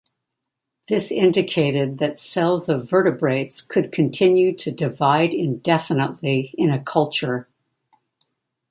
This indicated that cells of vertebrates could continue to divide indefinitely in a culture.